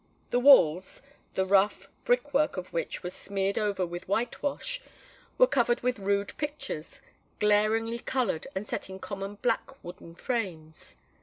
The walls—the rough brick work of which was smeared over with white wash,—were covered with rude pictures, glaringly coloured and set in common black wooden frames.